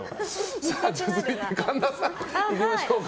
続いて神田さん、いきましょうか。